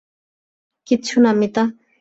কিচ্ছু না মিতা।